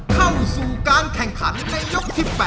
เข้าสู่การแข่งขันในยกที่๘